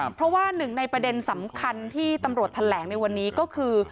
เพราะว่าหนึ่งในประเด็นสำคัญที่ตำรวจแถลงในวันนี้ก็คือ